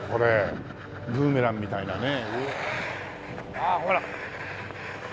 あっほら。